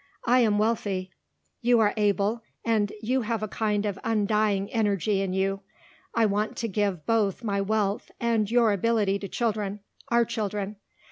I am wealthy. You are able and you have a kind of undying energy in you. I want to give both my wealth and your ability to children our children.